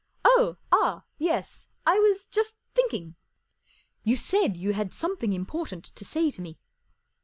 " Oh, ah, yes. I was just thinking." 44 You said you had something important to say to me."